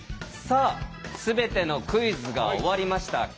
さあ全てのクイズが終わりました。